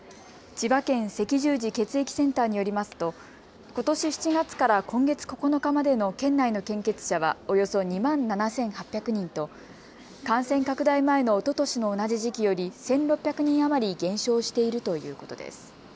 千葉県赤十字血液センターによりますとことし７月から今月９日までの県内の献血者はおよそ２万７８００人と感染拡大前のおととしの同じ時期より１６００人余り減少しているということです。